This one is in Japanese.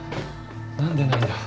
何でないんだ。